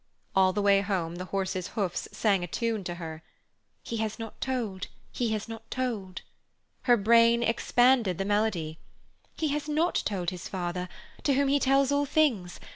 All the way home the horses' hoofs sang a tune to her: "He has not told, he has not told." Her brain expanded the melody: "He has not told his father—to whom he tells all things.